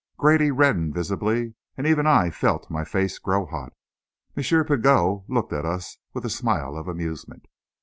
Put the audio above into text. Grady reddened visibly, and even I felt my face grow hot. M. Pigot looked at us with a smile of amusement.